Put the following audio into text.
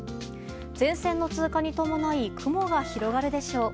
前線の通過に伴い雲が広がるでしょう。